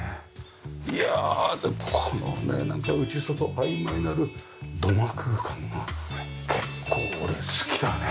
いやあでもこのねなんか内外曖昧なる土間空間が結構俺好きだね。